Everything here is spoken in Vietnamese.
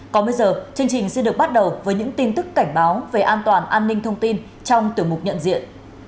còn bây giờ chương trình sẽ được bắt đầu với những tin tức cảnh báo về an toàn an ninh thông tin trong tiểu mục nhận diện